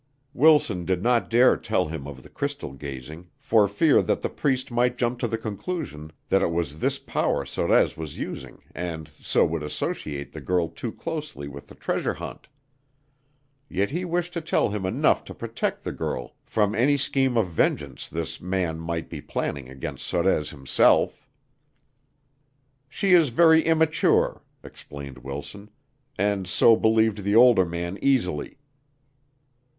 Wilson did not dare tell him of the crystal gazing for fear that the Priest might jump to the conclusion that it was this power Sorez was using and so would associate the girl too closely with the treasure hunt. Yet he wished to tell him enough to protect the girl from any scheme of vengeance this man might be planning against Sorez himself. "She is very immature," explained Wilson, "and so believed the older man easily."